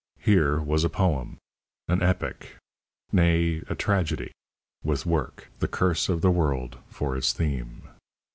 Here was a poem; an epic nay, a tragedy with work, the curse of the world, for its theme.